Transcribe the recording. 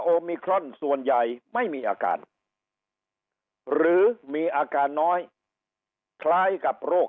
มิครอนส่วนใหญ่ไม่มีอาการหรือมีอาการน้อยคล้ายกับโรค